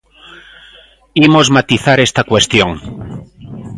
Imos matizar esta cuestión.